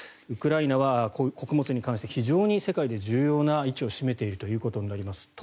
ウクライナは穀物に関して非常に世界で重要な位置を占めているということになります。